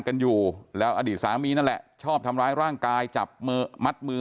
กันอยู่แล้วอดีตสามีนั่นแหละชอบทำร้ายร่างกายจับมือมัดมือ